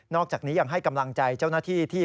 อกจากนี้ยังให้กำลังใจเจ้าหน้าที่ที่